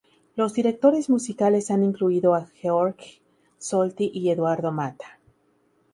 Los directores musicales han incluido a Georg Solti y Eduardo Mata.